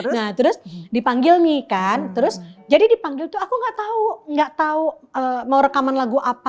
nah terus dipanggil nih kan terus jadi dipanggil tuh aku nggak tahu nggak tahu mau rekaman lagu apa